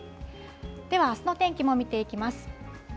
では、あすの天気も見ていきます。